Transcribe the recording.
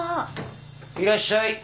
いらっしゃい。